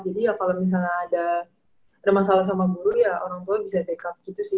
jadi ya kalau misalnya ada masalah sama guru ya orangtuanya bisa take up gitu sih